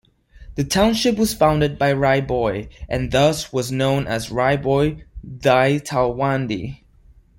The township was founded by Rai Bhoi and thus was known as Rai-Bhoi-Di-Talwandi.